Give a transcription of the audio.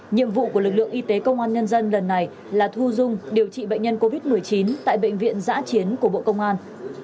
nhiệm vụ của lực lượng y tế công an nhân dân lần này là thu dung điều trị bệnh nhân covid một mươi chín tại bệnh viện giã chiến của bộ công an